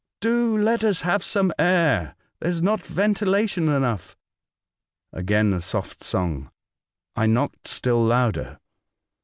*' Do let us have some air. There is not ventilation enough." Again a soft song. I knocked still louder.